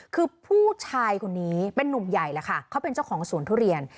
คือผู้ชายคนนี้เป็นนุ่มใหญ่แหละค่ะเขาเป็นเจ้าของสวนทุเรียน